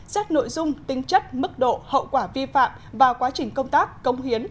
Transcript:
xét nội dung tính chất mức độ hậu quả vi phạm và quá trình công tác công hiến